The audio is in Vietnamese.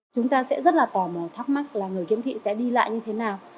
chúng ta sẽ rất là tò mò thắc mắc là người khiếm thị sẽ đi lại như thế nào